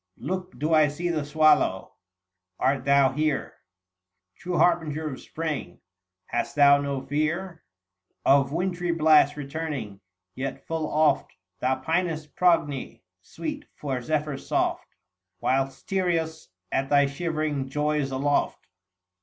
Look, do I see the Swallow ! art thou here, True harbinger of Spring ? Hast thou no fear Of wintry blasts returning ? Yet full oft Thou pinest, Progne sweet, for zephyrs soft, 9 10 Whilst Tereus, at thy shivering, joys aloft.